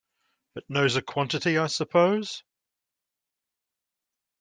But knows a quantity, I suppose?